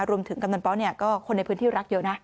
รวมถึงกำนันเปาะก็คนในพื้นที่รักเยอะนะ